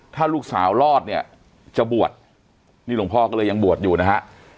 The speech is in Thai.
ถ้าลูกสาวรอดเนี่ยจะบวชนี่หลวงพ่อก็เลยยังบวชอยู่นะฮะ